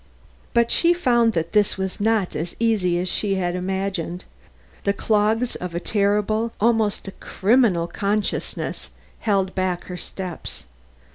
But she found that this was not as easy as she had imagined. The clogs of a terrible, almost a criminal, consciousness held back her steps.